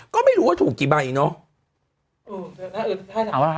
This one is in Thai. ก็ไม่รู้ว่าถูกกี่ใบเนาะ